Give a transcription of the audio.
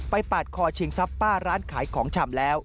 ไปปาดคอชิงซัปป้าร้านขายของฉ่ำแล้ว